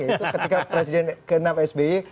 itu ketika presiden ke enam sby